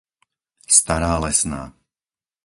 Stará Lesná